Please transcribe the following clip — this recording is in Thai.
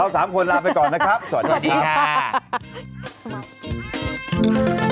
สามคนลาไปก่อนนะครับสวัสดีค่ะ